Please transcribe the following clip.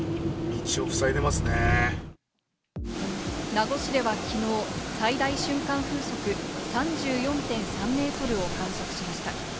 名護市ではきのう、最大瞬間風速３４．３メートルを観測しました。